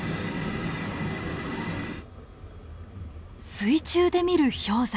水中で見る氷山。